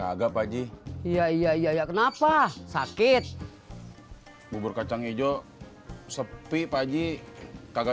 agak pagi iya iya iya kenapa sakit bubur kacang hijau sepi pagi kagak